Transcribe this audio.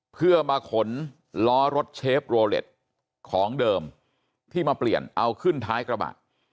เพื่อมาขนล้อรถเชฟโรเล็ตของเดิมที่มาเปลี่ยนเอาขึ้นท้ายกระบะ